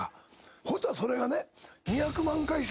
ほしたらそれがね。